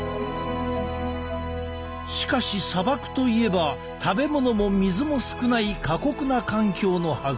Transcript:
しかし砂漠といえば食べ物も水も少ない過酷な環境のはず。